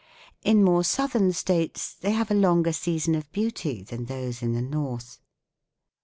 In more southern States they have a longer season of beauty than those in the North."